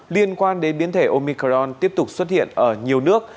liên quan đến biến thể omicron tiếp tục xuất hiện ở nhiều nước